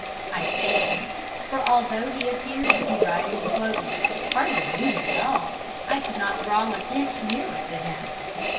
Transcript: I failed; for although he appeared to be riding slowly, hardly moving at all, I could not draw an inch nearer to him.